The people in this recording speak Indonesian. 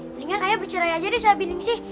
mendingan ayah bercerai aja deh sama bining sih